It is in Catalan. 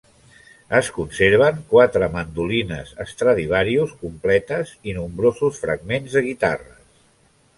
Es conserven quatre mandolines Stradivarius completes i nombrosos fragments de guitarres.